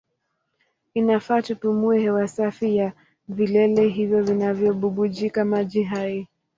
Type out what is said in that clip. Inafaa tupumue hewa safi ya vilele hivyo vinavyobubujika maji hai.